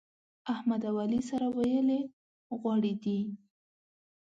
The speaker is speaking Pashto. احمد او علي سره ويلي غوړي دي.